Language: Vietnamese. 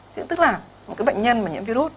chứ tức là một cái bệnh nhân mà nhiễm virus